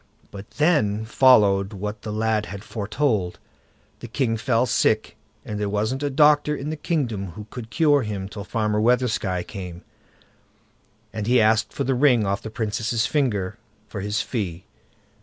But then followed what the lad had foretold; the king fell sick, and there wasn't a doctor in the kingdom who could cure him till Farmer Weathersky came, and he asked for the ring off the Princess' finger for his fee.